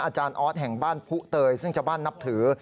อาจารย์ออสแห่งบ้านผู้เตยซึ่งชาวบ้านนับถือ